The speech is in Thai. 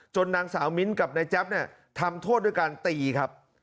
จนนางสาวมิ้นต์กับนายแจ๊บทำโทษด้วยการตีครับ